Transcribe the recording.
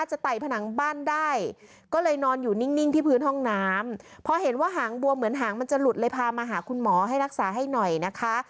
ให้น้องต้องแก้เอาหายเร็วเดี๋ยวกันนะคะ